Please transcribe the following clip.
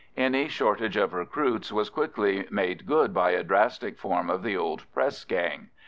Any shortage of recruits was quickly made good by a drastic form of the old pressgang.